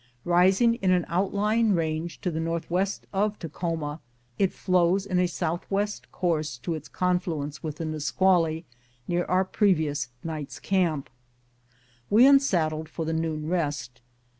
Ris ing in an outlying range to the northwest of Takhoma, it flows in a southwest course to its confluence with the Nisqually near our previous night's camp. We un saddled for the noon rest.